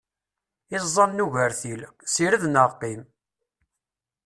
Iẓẓan n ugertil, sired neɣ qqim!